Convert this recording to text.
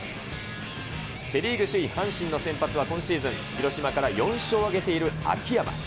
セ・リーグ首位、阪神の先発は今シーズン広島から４勝を挙げている秋山。